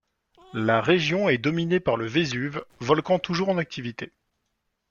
La région est dominée par le Vésuve, volcan toujours en activité.